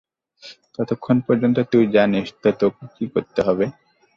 ততক্ষণ পর্যন্ত তুই জানিস তো তোকে কী করতে হবে?